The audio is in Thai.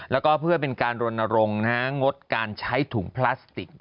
แล้วก็เพื่อเป็นการรณรงค์งดการใช้ถุงพลาสติก